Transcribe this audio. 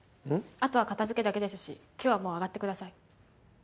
あとは片付けだけですし今日はもう上がってください。